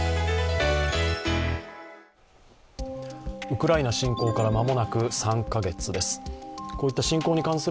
ウクライナ侵攻から、間もなく３カ月です。